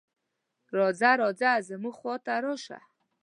"راځه راځه زموږ خواته راشه".